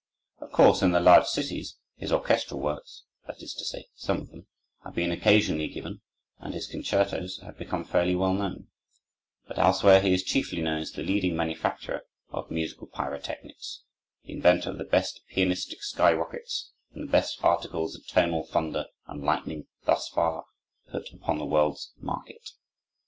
Of course, in the large cities, his orchestral works—that is to say, some of them—have been occasionally given and his concertos have become fairly well known; but elsewhere he is chiefly known as the leading manufacturer of musical pyrotechnics, the inventor of the best pianistic sky rockets and the best articles in tonal thunder and lightning thus far put upon the world's market.